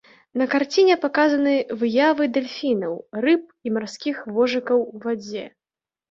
На карціне паказаны выявы дэльфінаў, рыб і марскіх вожыкаў ў вадзе.